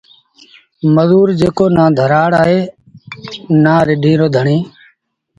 مزوٚر جيڪو نا ڌرآڙ اهي نا رڍينٚ رو ڌڻيٚ